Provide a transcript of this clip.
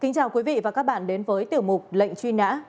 xin chào quý vị và các bạn đến với tiểu mục lệnh truy nã